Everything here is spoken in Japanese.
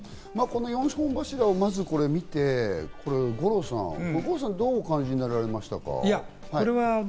この４本柱をまず見て五郎さん、五郎さんはどうお感じになられましたか？